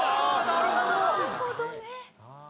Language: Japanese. なるほどね。